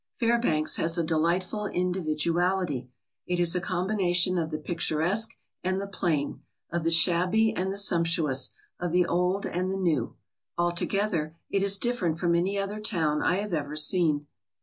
Fairbanks has a delightful individuality. It is a com bination of the picturesque and the plain, of the shabby and the sumptuous, of the old and the new. Altogether, it is different from any other town I have ever seen.